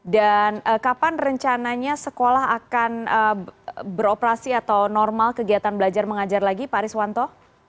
kapan rencananya sekolah akan beroperasi atau normal kegiatan belajar mengajar lagi pak riswanto